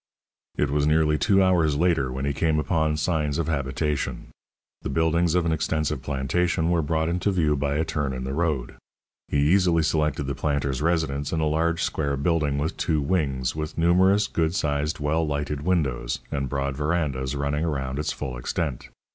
It was nearly two hours later when he came upon signs of habitation. The buildings of an extensive plantation were brought into view by a turn in the road. He easily selected the planter's residence in a large square building with two wings, with numerous good sized, well lighted windows, and broad verandas running around its full extent.